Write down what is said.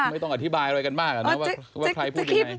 ไม่ต้องอธิบายอะไรกันมากว่าใครพูดยังไง